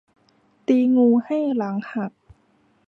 ตีงูให้หลังหัก